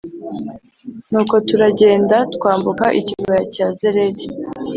nuko turagenda twambuka ikibaya cya zeredi